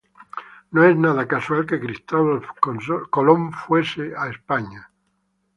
No es nada casual que Cristóbal Colón fuese a España.